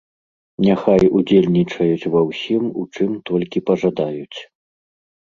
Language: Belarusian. Няхай удзельнічаюць ва ўсім, у чым толькі пажадаюць.